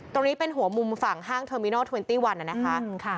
ตรงนี้เป็นหัวมุมฝั่งห้างเทอร์มินอลเทวินตี้วันนะคะ